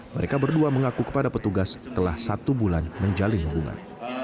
mereka berdua mengaku kepada petugas telah satu bulan menjalin hubungan